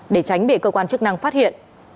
để tránh bị cơ quan chức năng phát hiện